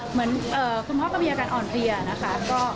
เหมือนคุณพ่อก็มีอาการอ่อนเพลียนะคะ